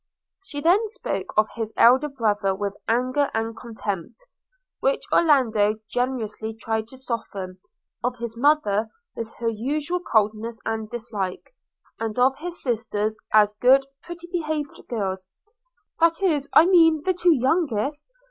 She then spoke of his elder brother with anger and contempt, which Orlando generously tried to soften; of his mother with her usual coldness and dislike; and of his sisters as good, pretty behaved girls – 'that is, I mean, the two youngest.